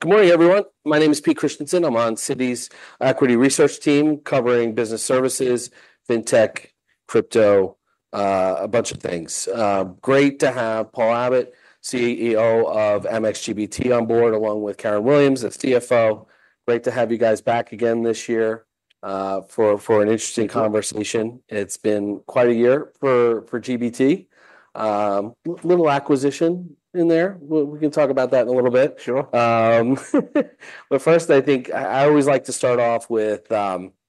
Good morning, everyone. My name is Pete Christiansen. I'm on Citi's Equity Research Team, covering business services, fintech, crypto, a bunch of things. Great to have Paul Abbott, CEO of Amex GBT, on board, along with Karen Williams, the CFO. Great to have you guys back again this year, for an interesting conversation. Thank you. It's been quite a year for GBT. Little acquisition in there. We can talk about that in a little bit. Sure. But first, I think I always like to start off with the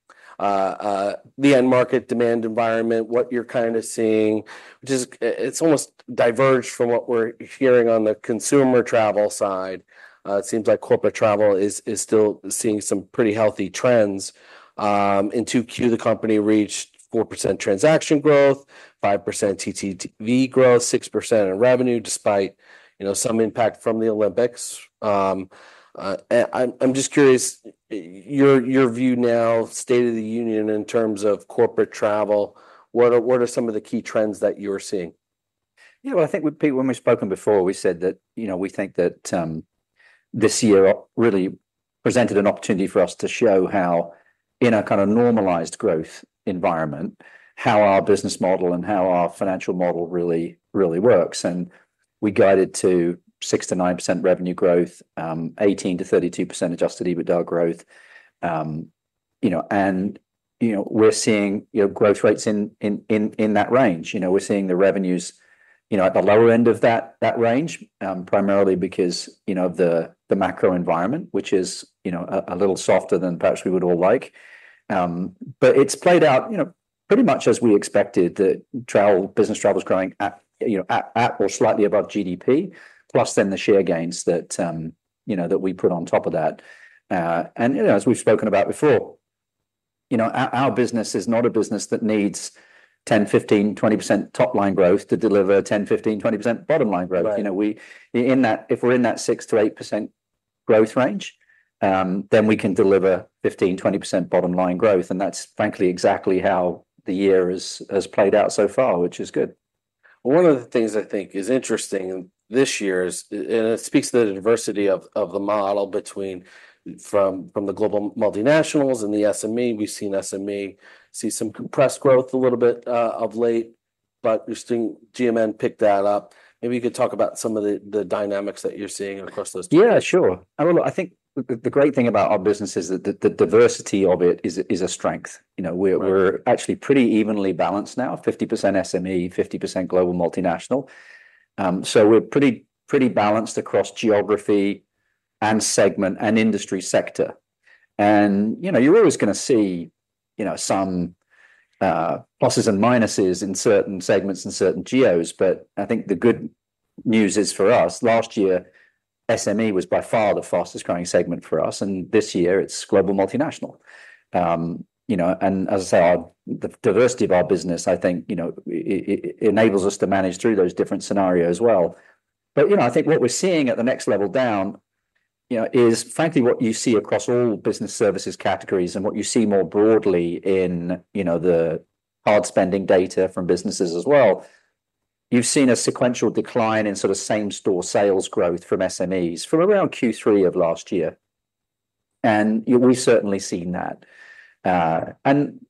end market demand environment, what you're kind of seeing, which is... it's almost diverged from what we're hearing on the consumer travel side. It seems like corporate travel is still seeing some pretty healthy trends. In 2Q, the company reached 4% transaction growth, 5% TTV growth, 6% in revenue, despite, you know, some impact from the Olympics. And I'm just curious, your view now, state of the union in terms of corporate travel, what are some of the key trends that you're seeing? Yeah, well, I think with Pete, when we've spoken before, we said that, you know, we think that, this year really presented an opportunity for us to show how in a kind of normalized growth environment, how our business model and how our financial model really, really works. And we guided to 6%-9% revenue growth, 18%-32% Adjusted EBITDA growth. You know, and, you know, we're seeing, you know, growth rates in that range. You know, we're seeing the revenues, you know, at the lower end of that range, primarily because, you know, the macro environment, which is, you know, a little softer than perhaps we would all like. But it's played out, you know, pretty much as we expected, that travel, business travel is growing at, you know, or slightly above GDP, plus then the share gains that, you know, that we put on top of that. And, you know, as we've spoken about before, you know, our business is not a business that needs 10%, 15%, 20% top-line growth to deliver 10%, 15%, 20% bottom line growth. Right. You know, in that six to eight percent growth range, if we're in that, then we can deliver 15-20% bottom line growth, and that's frankly exactly how the year has played out so far, which is good. One of the things I think is interesting this year is, and it speaks to the diversity of the model between the global multinationals and the SME. We've seen SME see some compressed growth a little bit of late, but we're seeing GMN pick that up. Maybe you could talk about some of the dynamics that you're seeing across those. Yeah, sure. I mean, look, I think the great thing about our business is that the diversity of it is a strength. You know- Right... we're actually pretty evenly balanced now, 50% SME, 50% global multinational. So we're pretty balanced across geography, and segment, and industry sector. You know, you're always gonna see, you know, some pluses and minuses in certain segments and certain geos. But I think the good news is for us, last year, SME was by far the fastest growing segment for us, and this year it's global multinational. You know, and as I say, our the diversity of our business, I think, you know, I enables us to manage through those different scenarios well. But you know, I think what we're seeing at the next level down, you know, is frankly what you see across all business services categories and what you see more broadly in, you know, the hard spending data from businesses as well. You've seen a sequential decline in sort of same-store sales growth from SMEs from around Q3 of last year, and we've certainly seen that, and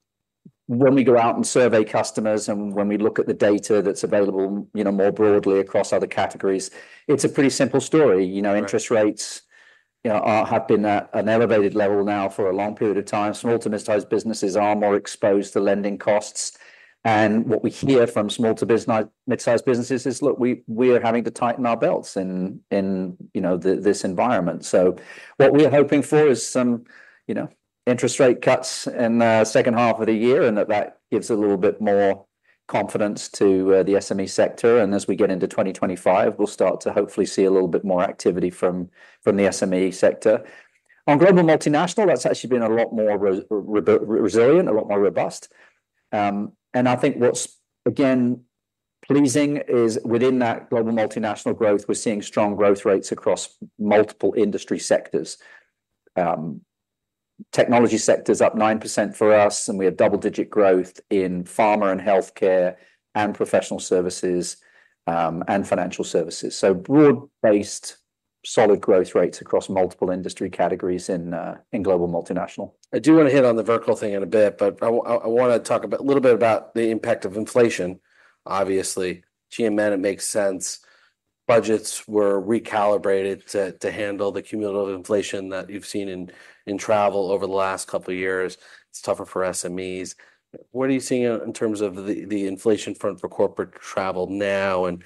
when we go out and survey customers, and when we look at the data that's available, you know, more broadly across other categories, it's a pretty simple story. Right You know, interest rates, you know, have been at an elevated level now for a long period of time. Small to mid-sized businesses are more exposed to lending costs, and what we hear from small to mid-sized businesses is, "Look, we are having to tighten our belts in, you know, this environment." So what we are hoping for is some, you know, interest rate cuts in the second half of the year, and that gives a little bit more confidence to the SME sector. And as we get into 2025, we'll start to hopefully see a little bit more activity from the SME sector. On global multinationals, that's actually been a lot more resilient, a lot more robust. And I think what's, again, pleasing is within that global multinational growth, we're seeing strong growth rates across multiple industry sectors. Technology sector's up 9% for us, and we have double-digit growth in pharma and healthcare, and professional services, and financial services. So broad-based, solid growth rates across multiple industry categories in global multinational. I do wanna hit on the vertical thing in a bit, but I wanna talk about a little bit about the impact of inflation. Obviously, GMN, it makes sense. Budgets were recalibrated to handle the cumulative inflation that you've seen in travel over the last couple of years. It's tougher for SMEs. What are you seeing out in terms of the inflation front for corporate travel now? And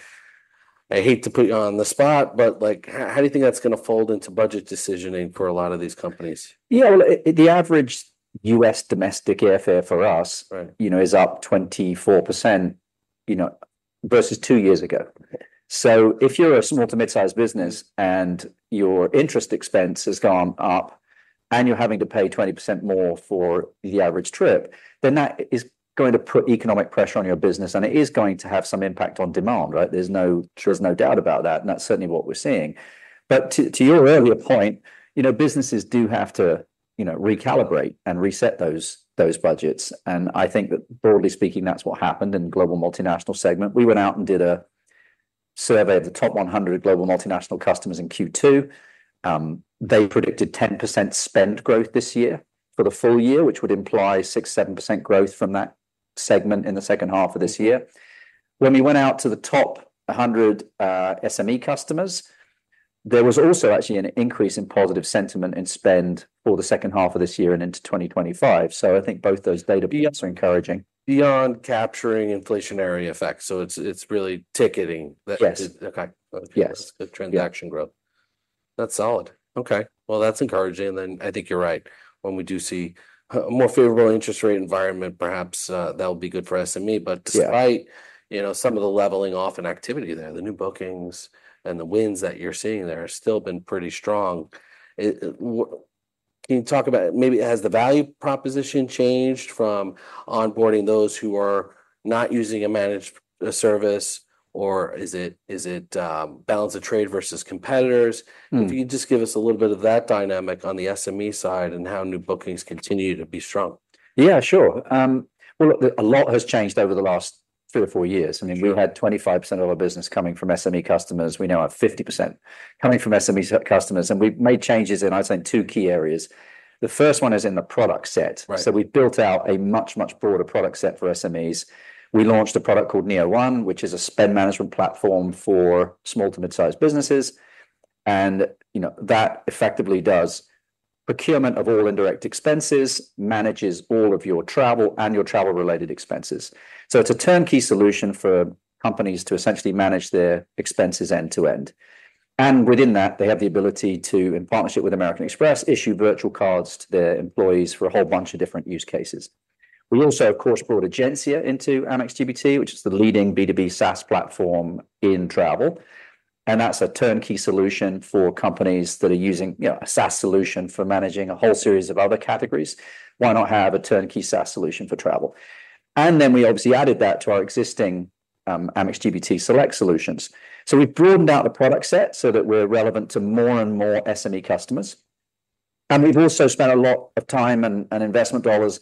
I hate to put you on the spot, but like, how do you think that's gonna fold into budget decisioning for a lot of these companies? Yeah, well, the average U.S. domestic airfare for us- Right... you know, is up 24%, you know, versus two years ago. So if you're a small to mid-sized business and your interest expense has gone up, and you're having to pay 20% more for the average trip, then that is going to put economic pressure on your business, and it is going to have some impact on demand, right? There's no, there's no doubt about that, and that's certainly what we're seeing, but to your earlier point, you know, businesses do have to you know, recalibrate and reset those budgets, and I think that broadly speaking, that's what happened in global multinational segment. We went out and did a survey of the top 100 global multinational customers in Q2. They predicted 10% spend growth this year for the full year, which would imply 6%-7% growth from that segment in the second half of this year. When we went out to the top 100 SME customers, there was also actually an increase in positive sentiment and spend for the second half of this year and into 2025. So I think both those data points are encouraging. Beyond capturing inflationary effects. So it's really ticketing that- Yes. Okay. Yes. The transaction growth. That's solid. Okay, well, that's encouraging, and then I think you're right. When we do see a more favorable interest rate environment, perhaps, that would be good for SME. Yeah. But despite, you know, some of the leveling off in activity there, the new bookings and the wins that you're seeing there have still been pretty strong. Can you talk about maybe has the value proposition changed from onboarding those who are not using a managed service, or is it balance of trade versus competitors? Mm. If you could just give us a little bit of that dynamic on the SME side and how new bookings continue to be strong? Yeah, sure. Well, look, a lot has changed over the last three or four years. Sure. I mean, we had 25% of our business coming from SME customers. We now have 50% coming from SME customers, and we've made changes in, I'd say, two key areas. The first one is in the product set. Right. So we built out a much, much broader product set for SMEs. We launched a product called Neo1, which is a spend management platform for small to mid-sized businesses, and, you know, that effectively does procurement of all indirect expenses, manages all of your travel and your travel-related expenses. So it's a turnkey solution for companies to essentially manage their expenses end to end. And within that, they have the ability to, in partnership with American Express, issue virtual cards to their employees for a whole bunch of different use cases. We also, of course, brought Egencia into Amex GBT, which is the leading B2B SaaS platform in travel, and that's a turnkey solution for companies that are using, you know, a SaaS solution for managing a whole series of other categories. Why not have a turnkey SaaS solution for travel? And then we obviously added that to our existing Amex GBT Select solutions. So we've broadened out the product set so that we're relevant to more and more SME customers, and we've also spent a lot of time and investment dollars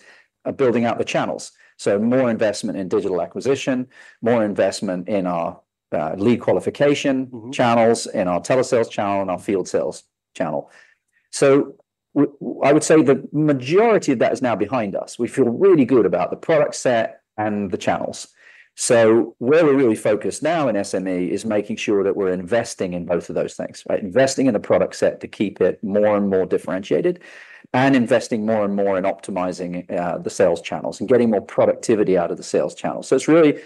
building out the channels. So more investment in digital acquisition, more investment in our lead qualification- Mm-hmm... channels, in our telesales channel, and our field sales channel. So I would say the majority of that is now behind us. We feel really good about the product set and the channels. So where we're really focused now in SME is making sure that we're investing in both of those things, right? Investing in a product set to keep it more and more differentiated, and investing more and more in optimizing the sales channels and getting more productivity out of the sales channels. So it's really...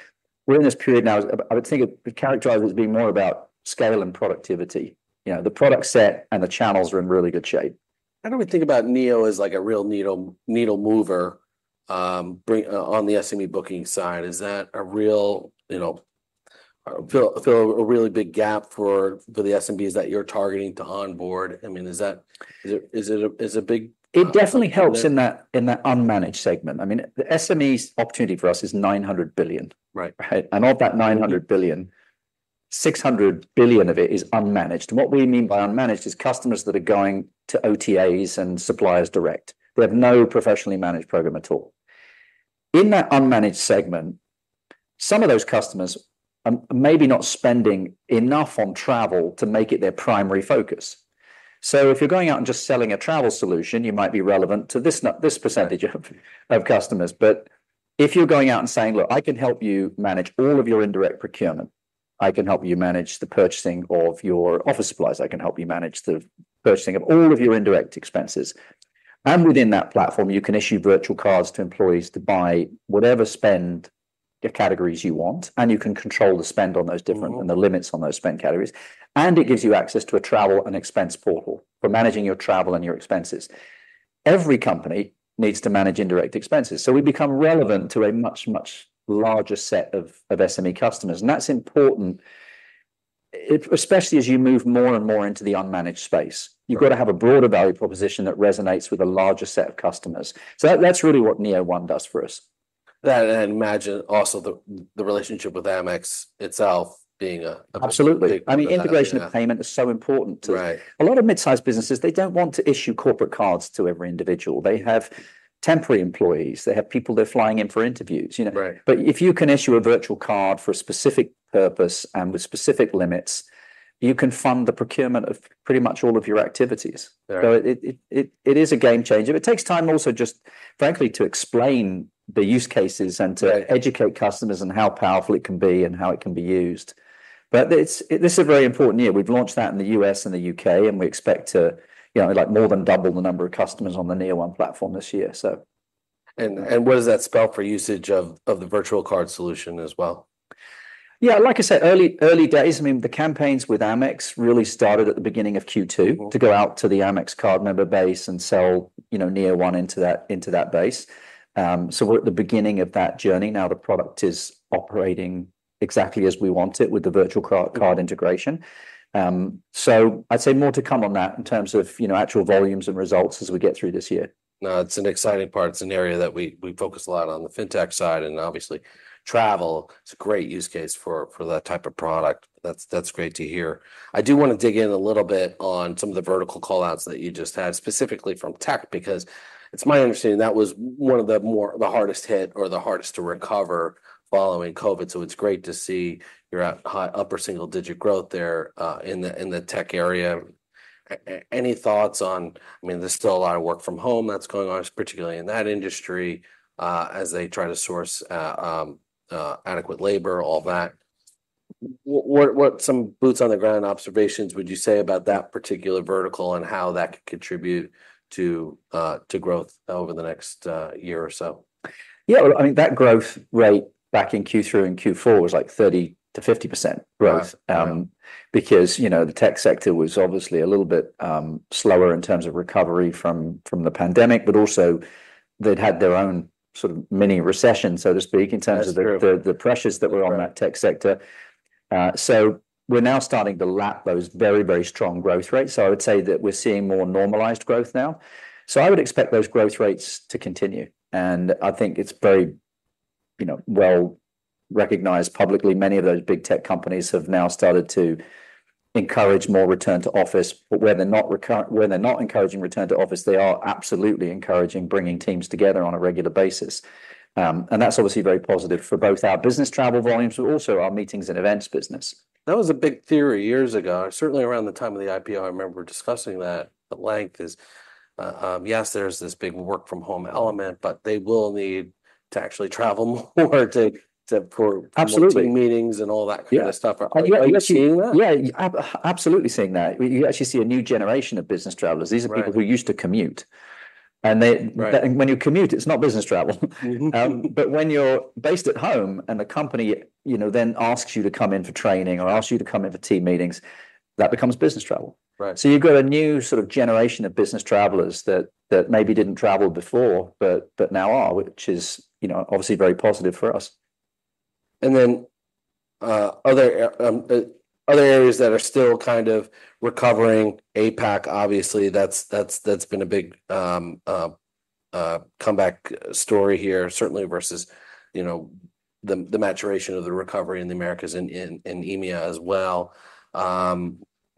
We're in this period now, I would say, characterized as being more about scale and productivity. You know, the product set and the channels are in really good shape. I don't really think about Neo as, like, a real needle mover on the SME booking side. Is that a real, you know, fill a really big gap for the SMEs that you're targeting to onboard? I mean, is that... Is it a big- It definitely helps in that- Yeah... in that unmanaged segment. I mean, the SMEs opportunity for us is $900 billion. Right. Of that $900 billion, $600 billion of it is unmanaged. What we mean by unmanaged is customers that are going to OTAs and suppliers direct, who have no professionally managed program at all. In that unmanaged segment, some of those customers are maybe not spending enough on travel to make it their primary focus. So if you're going out and just selling a travel solution, you might be relevant to this this percentage of customers. But if you're going out and saying, "Look, I can help you manage all of your indirect procurement, I can help you manage the purchasing of your office supplies, I can help you manage the purchasing of all of your indirect expenses," and within that platform, you can issue virtual cards to employees to buy whatever spend categories you want, and you can control the spend on those different- Mm-hmm... and the limits on those spend categories, and it gives you access to a travel and expense portal for managing your travel and your expenses. Every company needs to manage indirect expenses. So we become relevant- Mm... to a much, much larger set of SME customers, and that's important, especially as you move more and more into the unmanaged space. Right. You've got to have a broader value proposition that resonates with a larger set of customers. So that, that's really what Neo1 does for us. That, and I imagine also the relationship with Amex itself being a, a- Absolutely... big advantage. I mean, integration of payment is so important to- Right... a lot of mid-sized businesses, they don't want to issue corporate cards to every individual. They have temporary employees. They have people they're flying in for interviews, you know? Right. But if you can issue a virtual card for a specific purpose and with specific limits, you can fund the procurement of pretty much all of your activities. Right. So it is a game changer. It takes time also just, frankly, to explain the use cases and to- Right... educate customers on how powerful it can be and how it can be used. But it's, this is a very important year. We've launched that in the U.S. and the U.K., and we expect to, you know, like, more than double the number of customers on the Neo1 platform this year, so. What does that spell for usage of the virtual card solution as well? Yeah, like I said, early, early days. I mean, the campaigns with Amex really started at the beginning of Q2- Mm-hmm... to go out to the Amex card member base and sell, you know, Neo1 into that, into that base. So we're at the beginning of that journey now. The product is operating exactly as we want it with the virtual card integration. So I'd say more to come on that in terms of, you know, actual volumes and results as we get through this year.... No, it's an exciting part. It's an area that we focus a lot on the fintech side, and obviously, travel is a great use case for that type of product. That's great to hear. I do wanna dig in a little bit on some of the vertical call-outs that you just had, specifically from tech, because it's my understanding that was one of the more the hardest hit or the hardest to recover following COVID. So it's great to see you're at high upper single-digit growth there in the tech area. Any thoughts on... I mean, there's still a lot of work from home that's going on, particularly in that industry, as they try to source adequate labor, all that. What some boots on the ground observations would you say about that particular vertical and how that could contribute to growth over the next year or so? Yeah, well, I mean, that growth rate back in Q3 and Q4 was, like, 30%-50% growth- Right. because, you know, the tech sector was obviously a little bit slower in terms of recovery from the pandemic, but also they'd had their own sort of mini recession, so to speak, in terms of the- That's true... the pressures that were on that tech sector. So we're now starting to lap those very, very strong growth rates. So I would say that we're seeing more normalized growth now. So I would expect those growth rates to continue, and I think it's very, you know, well-recognized publicly. Many of those big tech companies have now started to encourage more return to office. But where they're not encouraging return to office, they are absolutely encouraging bringing teams together on a regular basis. That's obviously very positive for both our business travel volumes, but also our meetings and events business. That was a big theory years ago, certainly around the time of the IPO. I remember discussing that at length. Yes, there's this big work from home element, but they will need to actually travel more, to for- Absolutely... team meetings and all that kind of stuff. Yeah. Are you seeing that? Yeah, absolutely seeing that. You actually see a new generation of business travelers. Right. These are people who used to commute, and they- Right... when you commute, it's not business travel. Mm-hmm. But when you're based at home and the company, you know, then asks you to come in for training or asks you to come in for team meetings, that becomes business travel. Right. So you've got a new sort of generation of business travelers that maybe didn't travel before, but now are, which is, you know, obviously very positive for us. And then other areas that are still kind of recovering, APAC, obviously, that's been a big comeback story here, certainly versus, you know, the maturation of the recovery in the Americas and in EMEA as well.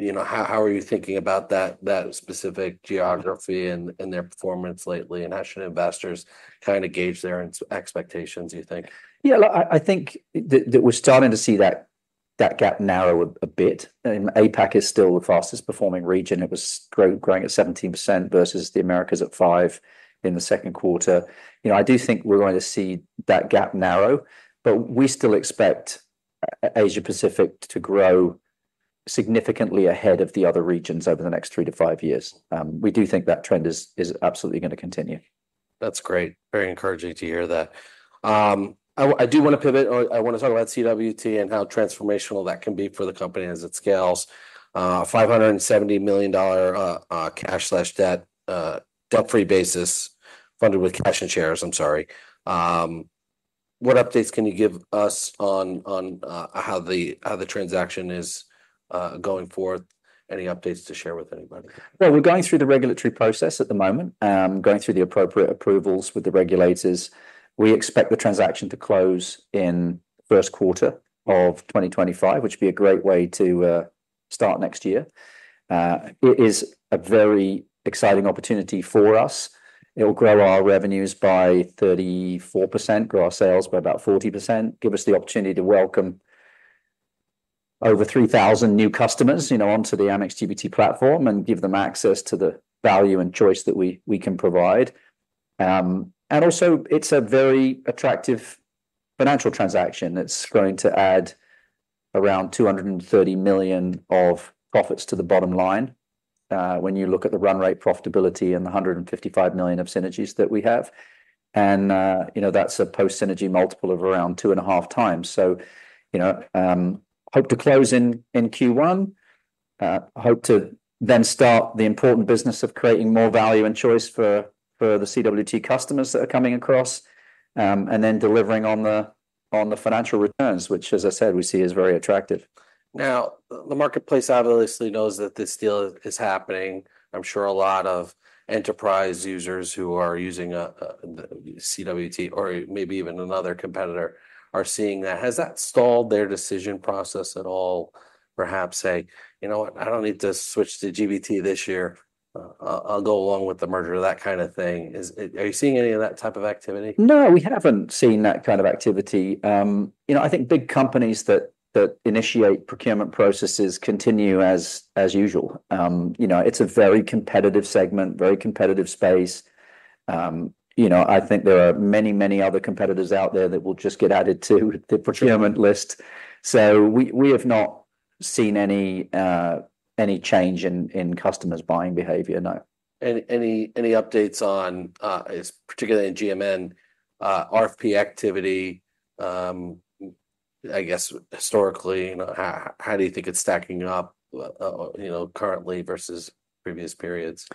You know, how are you thinking about that specific geography and their performance lately? And how should investors kinda gauge their expectations, do you think? Yeah, look, I think that we're starting to see that gap narrow a bit. And APAC is still the fastest performing region. It was growing at 17% versus the Americas at 5% in the second quarter. You know, I do think we're going to see that gap narrow, but we still expect Asia Pacific to grow significantly ahead of the other regions over the next three to five years. We do think that trend is absolutely gonna continue. That's great. Very encouraging to hear that. I do wanna pivot or I wanna talk about CWT and how transformational that can be for the company as it scales. $570 million cash/debt, debt-free basis, funded with cash and shares, I'm sorry. What updates can you give us on how the transaction is going forth? Any updates to share with anybody? We're going through the regulatory process at the moment, going through the appropriate approvals with the regulators. We expect the transaction to close in first quarter of 2025, which would be a great way to start next year. It is a very exciting opportunity for us. It'll grow our revenues by 34%, grow our sales by about 40%, give us the opportunity to welcome over 3,000 new customers, you know, onto the Amex GBT platform and give them access to the value and choice that we can provide. And also, it's a very attractive financial transaction that's going to add around $230 million of profits to the bottom line, when you look at the run rate profitability and the $155 million of synergies that we have. You know, that's a post-synergy multiple of around two and a half times. So, you know, hope to close in Q1. Hope to then start the important business of creating more value and choice for the CWT customers that are coming across, and then delivering on the financial returns, which, as I said, we see is very attractive. Now, the marketplace obviously knows that this deal is happening. I'm sure a lot of enterprise users who are using CWT or maybe even another competitor are seeing that. Has that stalled their decision process at all? Perhaps say, "You know what? I don't need to switch to GBT this year. I'll go along with the merger," that kind of thing. Are you seeing any of that type of activity? No, we haven't seen that kind of activity. You know, I think big companies that initiate procurement processes continue as usual. You know, it's a very competitive segment, very competitive space. You know, I think there are many, many other competitors out there that will just get added to the procurement list. So we have not seen any change in customers' buying behavior, no. Any updates on, particularly in GMN, RFP activity? I guess historically, you know, how do you think it's stacking up, you know, currently versus previous periods?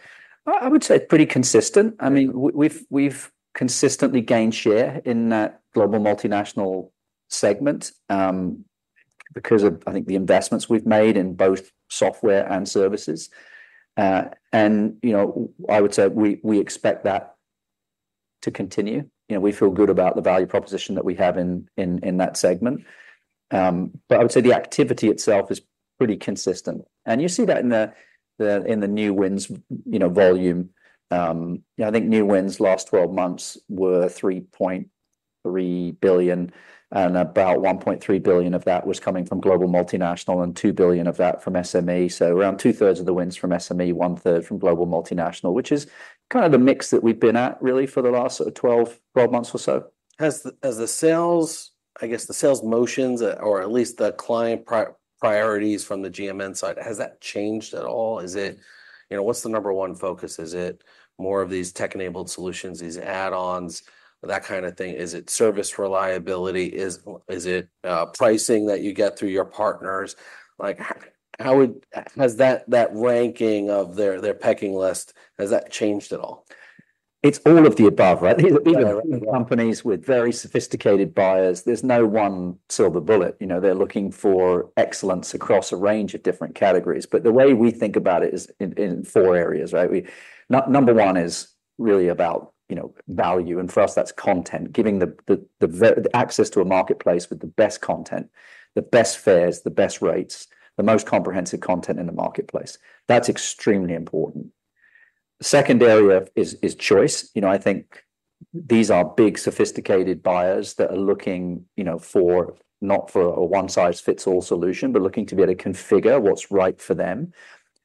I would say pretty consistent. I mean, we've consistently gained share in that global multinational segment, because of, I think, the investments we've made in both software and services, and you know, I would say we expect that to continue. You know, we feel good about the value proposition that we have in that segment. But I would say the activity itself is pretty consistent, and you see that in the new wins, you know, volume. Yeah, I think new wins last 12 months were $3.3 billion, and about $1.3 billion of that was coming from global multinational and $2 billion of that from SME. So around 2/3 of the wins from SME, 1/3 from global multinational, which is kind of the mix that we've been at really for the last sort of 12 months or so. Has the sales, I guess, the sales motions or at least the client priorities from the GMN side, has that changed at all? Is it... You know, what's the number one focus? Is it more of these tech-enabled solutions, these add-ons, that kind of thing? Is it service reliability? Is it pricing that you get through your partners? Like, how has that ranking of their pecking list changed at all? It's all of the above, right? Yeah. Even companies with very sophisticated buyers, there's no one silver bullet, you know. They're looking for excellence across a range of different categories, but the way we think about it is in four areas, right? Number one is really about, you know, value, and for us, that's content, giving the access to a marketplace with the best content, the best fares, the best rates, the most comprehensive content in the marketplace. That's extremely important. Second area is choice. You know, I think these are big, sophisticated buyers that are looking, you know, for, not for a one-size-fits-all solution, but looking to be able to configure what's right for them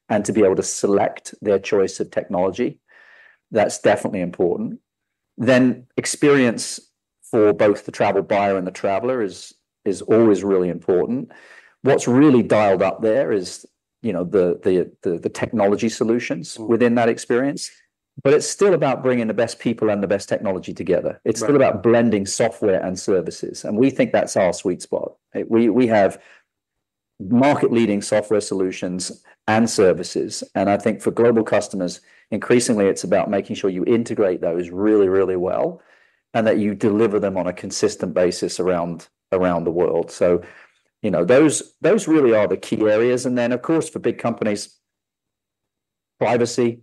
and to be able to select their choice of technology. That's definitely important. Then experience for both the travel buyer and the traveler is always really important. What's really dialed up there is, you know, the technology solutions- Mm. Within that experience, but it's still about bringing the best people and the best technology together. Right. It's still about blending software and services, and we think that's our sweet spot. We have market-leading software solutions and services, and I think for global customers, increasingly, it's about making sure you integrate those really, really well and that you deliver them on a consistent basis around the world. So, you know, those really are the key areas, and then, of course, for big companies, privacy,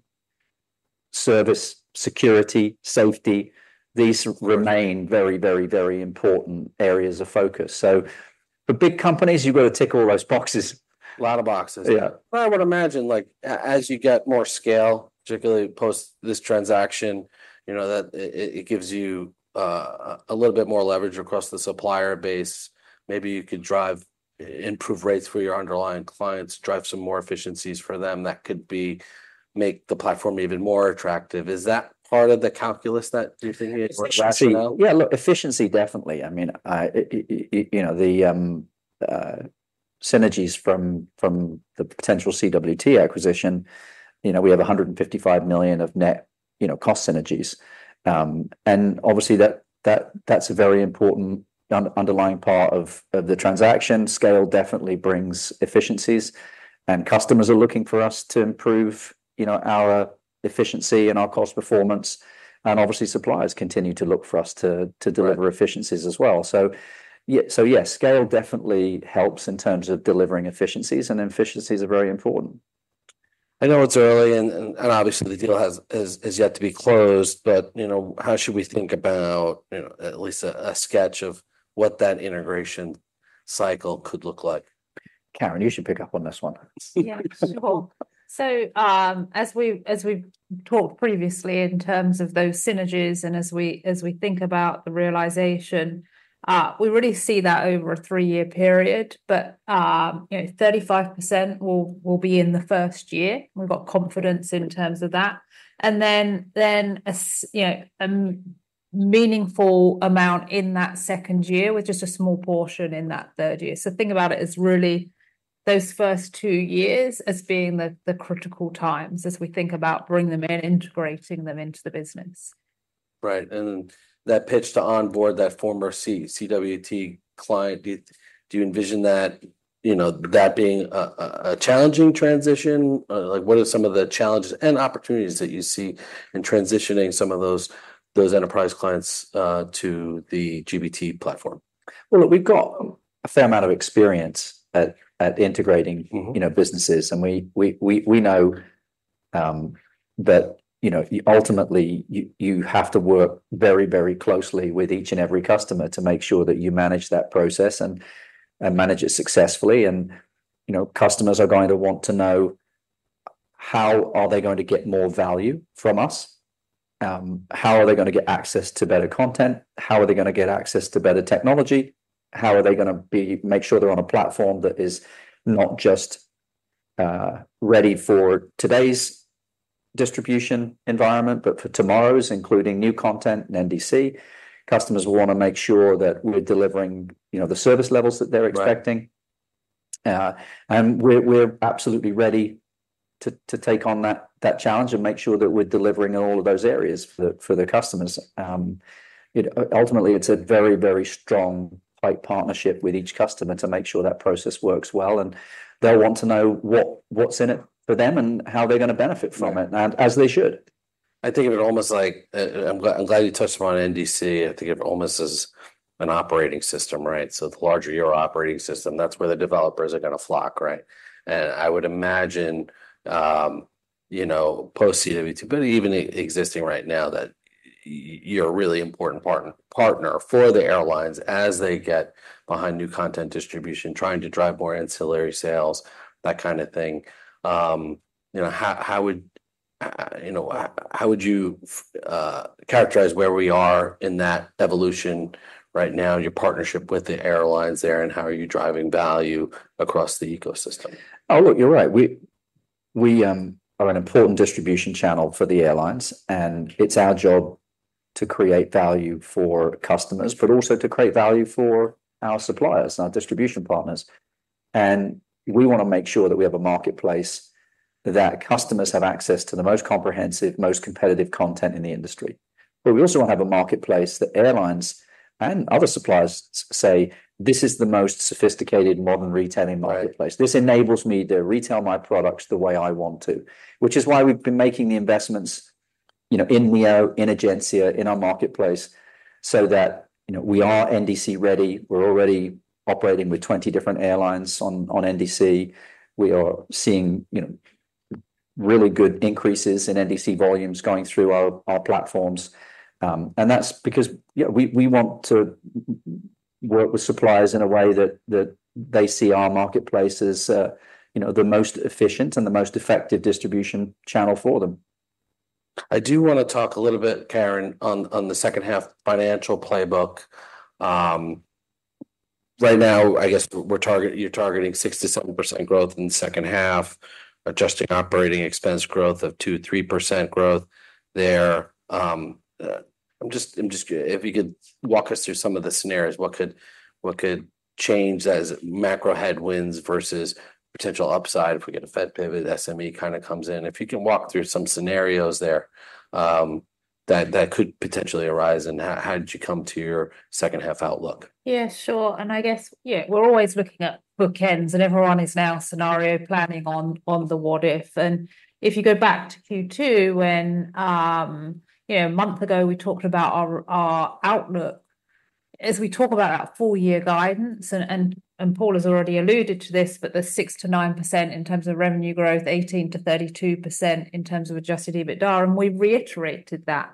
service, security, safety, these remain very, very, very important areas of focus. So for big companies, you've got to tick all those boxes. A lot of boxes. Yeah. I would imagine, like, as you get more scale, particularly post this transaction, you know, that it gives you a little bit more leverage across the supplier base. Maybe you could drive, improve rates for your underlying clients, drive some more efficiencies for them that could be... make the platform even more attractive. Is that part of the calculus that do you think is rationale? Yeah, look, efficiency, definitely. I mean, you know, the synergies from the potential CWT acquisition, you know, we have $155 million of net, you know, cost synergies. And obviously, that's a very important underlying part of the transaction. Scale definitely brings efficiencies, and customers are looking for us to improve, you know, our efficiency and our cost performance, and obviously, suppliers continue to look for us to- Right... to deliver efficiencies as well. So yeah, so yes, scale definitely helps in terms of delivering efficiencies, and efficiencies are very important. I know it's early, and obviously, the deal is yet to be closed, but you know, how should we think about, you know, at least a sketch of what that integration cycle could look like? Karen, you should pick up on this one. Yeah, sure. So, as we, as we've talked previously in terms of those synergies and as we, as we think about the realization, we really see that over a three-year period. But, you know, 35% will be in the first year. We've got confidence in terms of that. And then, as, you know, meaningful amount in that second year, with just a small portion in that third year. So think about it as really those first two years as being the critical times as we think about bringing them in, integrating them into the business. Right. And that pitch to onboard that former C, CWT client, do you envision that, you know, that being a challenging transition? Like, what are some of the challenges and opportunities that you see in transitioning some of those enterprise clients to the GBT platform? We've got a fair amount of experience at integrating- Mm-hmm... you know, businesses, and we know that you know, ultimately, you have to work very, very closely with each and every customer to make sure that you manage that process and manage it successfully. You know, customers are going to want to know how are they going to get more value from us? How are they gonna get access to better content? How are they gonna get access to better technology? How are they gonna make sure they're on a platform that is not just ready for today's distribution environment, but for tomorrow's, including new content and NDC? Customers will wanna make sure that we're delivering, you know, the service levels that they're expecting. Right. And we're absolutely ready to take on that challenge and make sure that we're delivering in all of those areas for the customers. You know, ultimately, it's a very strong partnership with each customer to make sure that process works well, and they'll want to know what's in it for them and how they're gonna benefit from it. Yeah... and as they should.... I think of it almost like, I'm glad you touched upon NDC. I think of it almost as an operating system, right? So the larger your operating system, that's where the developers are gonna flock, right? And I would imagine, you know, post CWT, but even existing right now, that you're a really important partner for the airlines as they get behind new content distribution, trying to drive more ancillary sales, that kind of thing. You know, how would you characterize where we are in that evolution right now, your partnership with the airlines there, and how are you driving value across the ecosystem? Oh, look, you're right. We are an important distribution channel for the airlines, and it's our job to create value for customers, but also to create value for our suppliers and our distribution partners. And we want to make sure that we have a marketplace that customers have access to the most comprehensive, most competitive content in the industry. But we also want to have a marketplace that airlines and other suppliers say, this is the most sophisticated modern retailing marketplace. Right. This enables me to retail my products the way I want to. Which is why we've been making the investments, you know, in Neo, in Egencia, in our marketplace, so that, you know, we are NDC ready. We're already operating with 20 different airlines on NDC. We are seeing, you know, really good increases in NDC volumes going through our platforms. And that's because, you know, we want to work with suppliers in a way that they see our marketplace as, you know, the most efficient and the most effective distribution channel for them. I do want to talk a little bit, Karen, on the second half financial playbook. Right now, I guess we're targeting 60-something% growth in the second half, adjusting operating expense growth of 2%-3% growth there. If you could walk us through some of the scenarios, what could change as macro headwinds versus potential upside if we get a Fed pivot, SME kind of comes in. If you can walk through some scenarios there that could potentially arise, and how did you come to your second half outlook? Yeah, sure. And I guess, yeah, we're always looking at bookends, and everyone is now scenario planning on the what if. And if you go back to Q2, when you know, a month ago, we talked about our outlook, as we talk about our full year guidance, and Paul has already alluded to this, but the 6%-9% in terms of revenue growth, 18%-32% in terms of Adjusted EBITDA, and we reiterated that.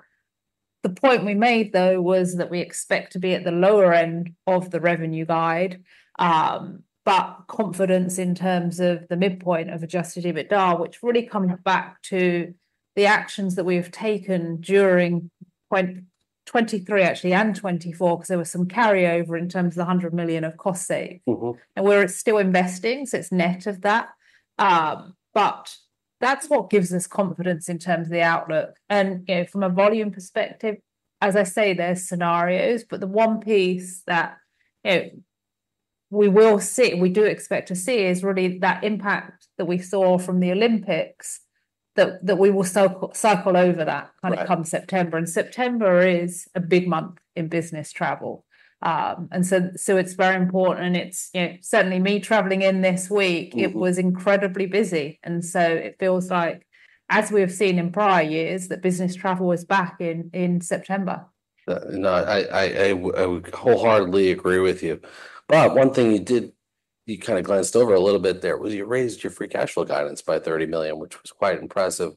The point we made, though, was that we expect to be at the lower end of the revenue guide, but confidence in terms of the midpoint of Adjusted EBITDA, which really comes back to the actions that we have taken during 2023, actually, and 2024, because there was some carryover in terms of the $100 million of cost save. Mm-hmm. And we're still investing, so it's net of that. But that's what gives us confidence in terms of the outlook. And, you know, from a volume perspective, as I say, there's scenarios, but the one piece that, you know, we will see, we do expect to see is really that impact that we saw from the Olympics, that we will circle over that- Right... come September. And September is a big month in business travel. And so it's very important and it's, you know, certainly me traveling in this week- Mm-hmm... it was incredibly busy, and so it feels like, as we have seen in prior years, that business travel was back in September. No, I wholeheartedly agree with you. But one thing you did, you kind of glanced over a little bit there, was you raised your free cash flow guidance by $30 million, which was quite impressive,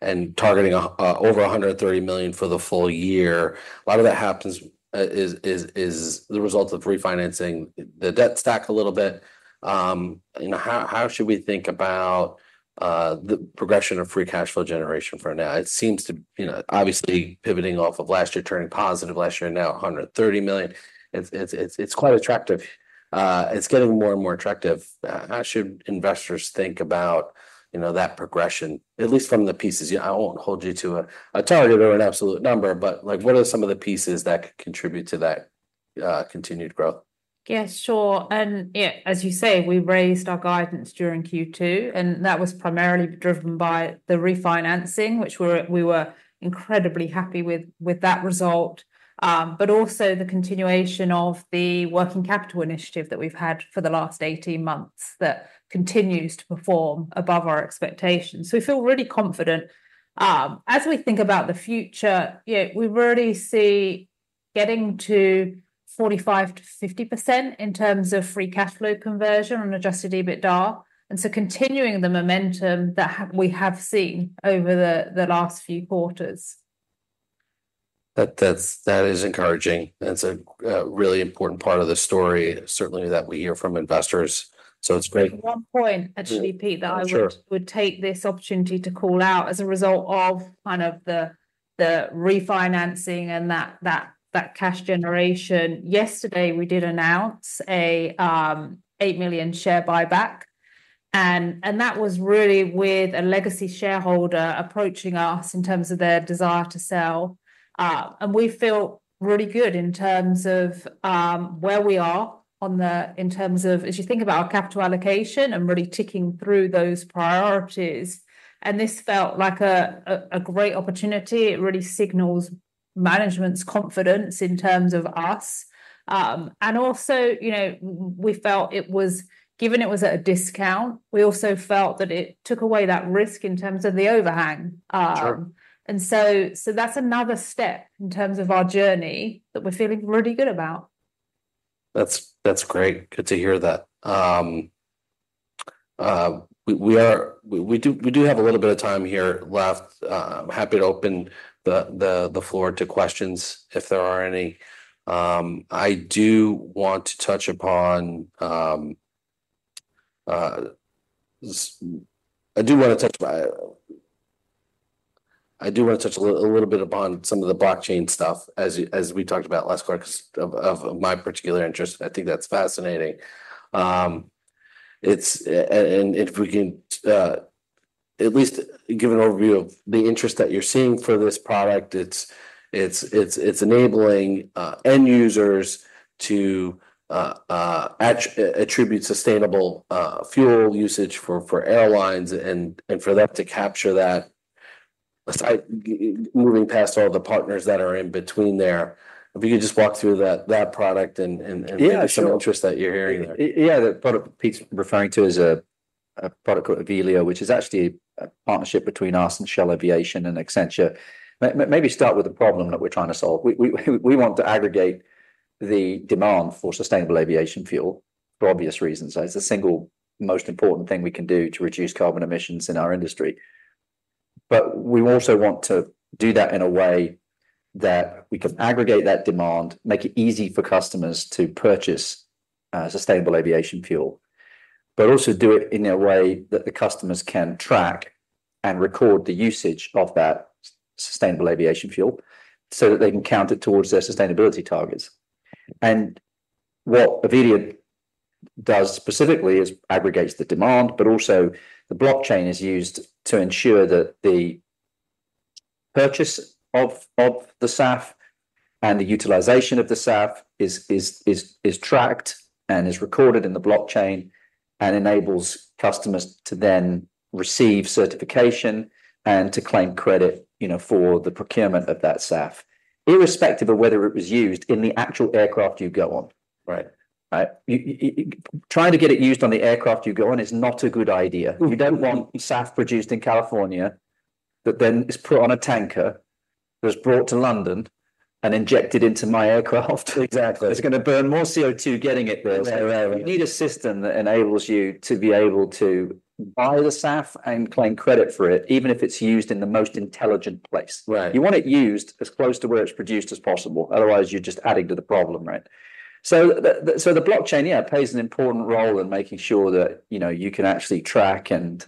and targeting over $130 million for the full year. A lot of that is the result of refinancing the debt stack a little bit. You know, how should we think about the progression of free cash flow generation for now? It seems to, you know, obviously pivoting off of last year, turning positive last year, now $130 million. It's quite attractive. It's getting more and more attractive. How should investors think about, you know, that progression, at least from the pieces? You know, I won't hold you to a target or an absolute number, but, like, what are some of the pieces that could contribute to that continued growth? Yes, sure. And yeah, as you say, we raised our guidance during Q2, and that was primarily driven by the refinancing, which we're, we were incredibly happy with that result, but also the continuation of the working capital initiative that we've had for the last 18 months that continues to perform above our expectations. So we feel really confident. As we think about the future, yeah, we've already seen getting to 45%-50% in terms of free cash flow conversion on Adjusted EBITDA, and so continuing the momentum that we have seen over the last few quarters. That is encouraging. That's a really important part of the story, certainly, that we hear from investors, so it's great. One point, actually, Pete- Sure... that I would take this opportunity to call out as a result of kind of the refinancing and that cash generation. Yesterday, we did announce a $8 million share buyback, and that was really with a legacy shareholder approaching us in terms of their desire to sell. And we feel really good in terms of where we are on the, in terms of, as you think about our capital allocation and really ticking through those priorities, and this felt like a great opportunity. It really signals... management's confidence in terms of us. And also, you know, we felt it was, given it was at a discount, we also felt that it took away that risk in terms of the overhang, Sure. That's another step in terms of our journey that we're feeling really good about. That's great. Good to hear that. We do have a little bit of time here left. I'm happy to open the floor to questions if there are any. I do want to touch upon a little bit upon some of the blockchain stuff as we talked about last quarter, 'cause of my particular interest. I think that's fascinating. If we can at least give an overview of the interest that you're seeing for this product. It's enabling end users to attribute sustainable fuel usage for airlines and for them to capture that. Aside, moving past all the partners that are in between there, if you could just walk through that product and... Yeah, sure. Some interest that you're hearing there. Yeah, the product Pete's referring to is a product called Avelia, which is actually a partnership between us and Shell Aviation and Accenture. Maybe start with the problem that we're trying to solve. We want to aggregate the demand for sustainable aviation fuel, for obvious reasons. So it's the single most important thing we can do to reduce carbon emissions in our industry. But we also want to do that in a way that we can aggregate that demand, make it easy for customers to purchase sustainable aviation fuel, but also do it in a way that the customers can track and record the usage of that sustainable aviation fuel, so that they can count it towards their sustainability targets. What Avelia does specifically is aggregates the demand, but also the blockchain is used to ensure that the purchase of the SAF and the utilization of the SAF is tracked and is recorded in the blockchain, and enables customers to then receive certification and to claim credit, you know, for the procurement of that SAF, irrespective of whether it was used in the actual aircraft you go on. Right. Right? Trying to get it used on the aircraft you go on is not a good idea. You don't want SAF produced in California, that then is put on a tanker, that's brought to London and injected into my aircraft. Exactly. It's gonna burn more CO2 getting it there. There. You need a system that enables you to be able to buy the SAF and claim credit for it, even if it's used in the most intelligent place. Right. You want it used as close to where it's produced as possible, otherwise you're just adding to the problem, right? So the blockchain, yeah, plays an important role in making sure that, you know, you can actually track and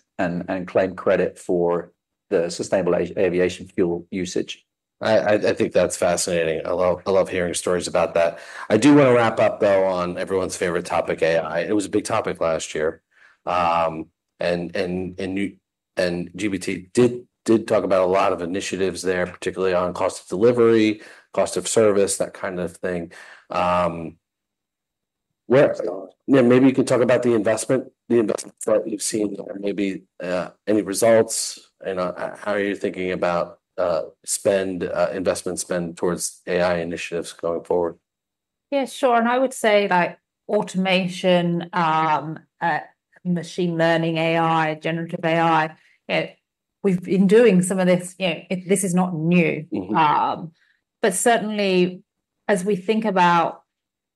claim credit for the sustainable aviation fuel usage. I think that's fascinating. I love hearing stories about that. I do wanna wrap up, though, on everyone's favorite topic, AI. It was a big topic last year. And you and GBT did talk about a lot of initiatives there, particularly on cost of delivery, cost of service, that kind of thing. Yeah, maybe you could talk about the investment that you've seen there, maybe any results? And how are you thinking about spend investment spend towards AI initiatives going forward? Yeah, sure. And I would say, like automation, machine learning AI, generative AI, we've been doing some of this. You know, this is not new. Mm-hmm. But certainly as we think about...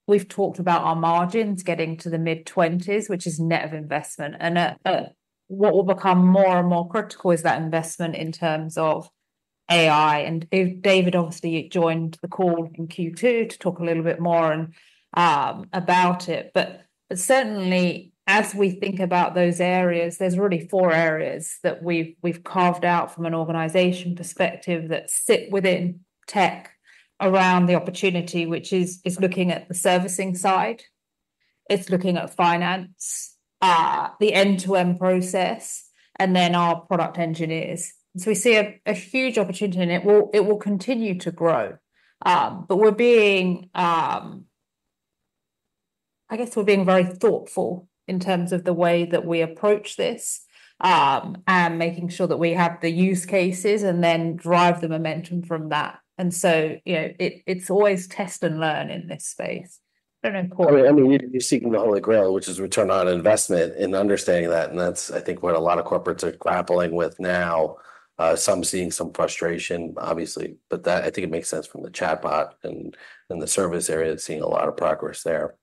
We've talked about our margins getting to the mid-20s which is net of investment, and what will become more and more critical is that investment in terms of AI. And David obviously joined the call in Q2 to talk a little bit more and about it. But certainly as we think about those areas, there's really four areas that we've carved out from an organization perspective, that sit within tech around the opportunity, which is looking at the servicing side, it's looking at finance, the end-to-end process, and then our product engineers. So we see a huge opportunity, and it will continue to grow. But we're being... I guess we're being very thoughtful in terms of the way that we approach this, and making sure that we have the use cases and then drive the momentum from that. And so, you know, it's always test and learn in this space. I don't know, Paul- I mean, you're seeking the Holy Grail, which is return on investment in understanding that, and that's, I think, what a lot of corporates are grappling with now. Some seeing some frustration, obviously, but that, I think it makes sense from the chatbot and the service area is seeing a lot of progress there.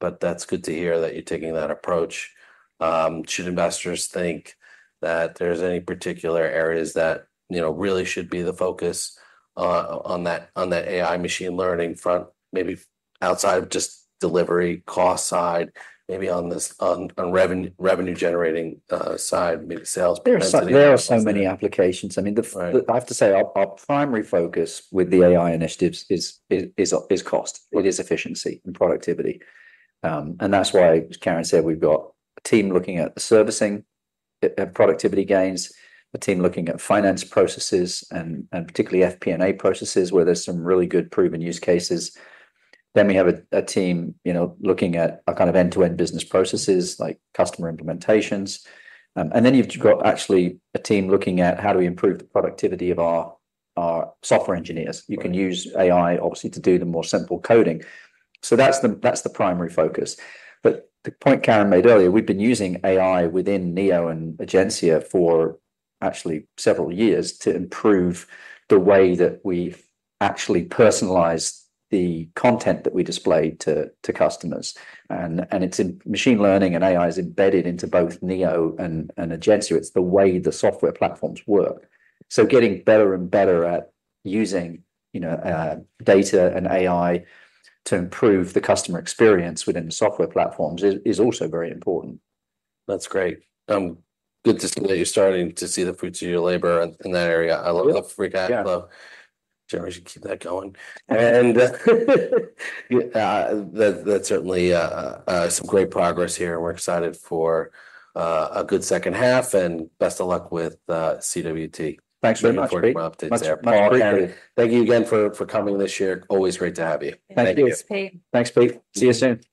But that's good to hear that you're taking that approach. Should investors think that there's any particular areas that, you know, really should be the focus on that AI machine learning front? Maybe outside of just delivery cost side, maybe on this revenue generating side, maybe sales- There are so many applications. I mean, the- Right... I have to say, our primary focus with the AI initiatives is cost. Right. It is efficiency and productivity, and that's why Karen said we've got a team looking at the servicing productivity gains, a team looking at finance processes, and particularly FP&A processes, where there's some really good proven use cases. Then we have a team, you know, looking at a kind of end-to-end business processes, like customer implementations, and then you've got actually a team looking at how do we improve the productivity of our software engineers? Right. You can use AI, obviously, to do the more simple coding. So that's the primary focus. But the point Karen made earlier, we've been using AI within Neo and Egencia for actually several years to improve the way that we've actually personalized the content that we display to customers. And it's in machine learning and AI is embedded into both Neo and Egencia. It's the way the software platforms work. So getting better and better at using, you know, data and AI to improve the customer experience within the software platforms is also very important. That's great. Good to see that you're starting to see the fruits of your labor in that area. Yeah. I love the freak out. Yeah. Generally, we should keep that going. That's certainly some great progress here, and we're excited for a good second half, and best of luck with CWT. Thanks very much, Pete. Look forward for more updates there. Thanks, Pete. Thank you again for coming this year. Always great to have you. Thanks Pete. Thanks, Pete. See you soon.